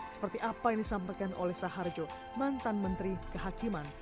seperti apa yang disampaikan oleh saharjo mantan menteri kehakiman